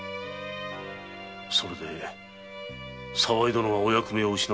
それで沢井殿はお役目を失ったのか！？